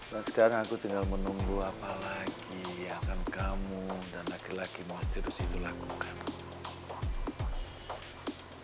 dan sekarang aku tinggal menunggu apa lagi yang akan kamu dan laki laki muhajir di situ lakukan